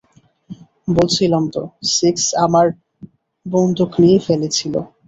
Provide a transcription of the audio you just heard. বলেছিলাম তো সিক্স আমার বন্দুক নিয়ে ফেলেছিল।